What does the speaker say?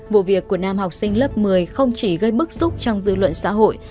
vụ việc của nam học sinh lớp một mươi không chỉ gây bức xúc trong dư luận xã hội